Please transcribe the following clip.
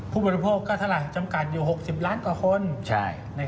ผู้บริโภคก็เท่าไหร่จำกัดอยู่๖๐ล้านกว่าคน